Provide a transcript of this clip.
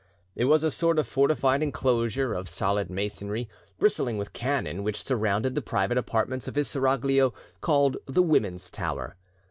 It was a sort of fortified enclosure, of solid masonry, bristling with cannon, which surrounded the private apartments of his seraglio, called the "Women's Tower."